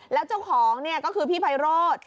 แล้วเจ้าของเนี่ยก็คือพี่ไพโรธ